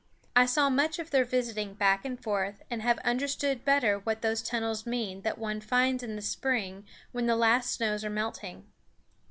I saw much of their visiting back and forth, and have understood better what those tunnels mean that one finds in the spring when the last snows are melting.